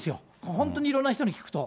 本当にいろんな人に聞くと。